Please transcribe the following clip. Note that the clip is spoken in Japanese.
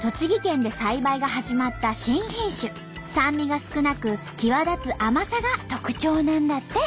酸味が少なく際立つ甘さが特徴なんだって！